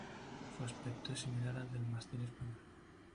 Su aspecto es similar al del mastín español.